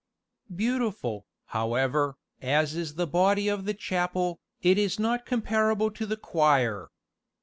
Beautiful, however, as is the body of the chapel, it is not comparable to the choir.